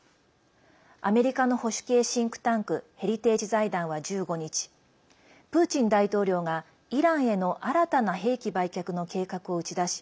アメリカの保守系シンクタンクヘリテージ財団は１５日プーチン大統領がイランへの新たな兵器売却の計画を打ち出し